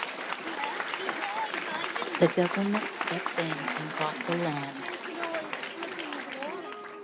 The government stepped in and bought the land.